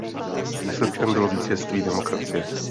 Výsledkem bylo vítězství demokracie.